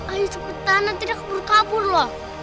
ayo cepetan nanti udah kebur kebur loh